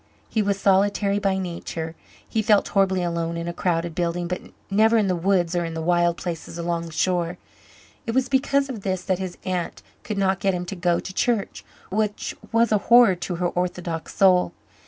He was solitary by nature. He felt horribly alone in a crowded building but never in the woods or in the wild places along the shore. It was because of this that his aunt could not get him to go to church which was a horror to her orthodox soul.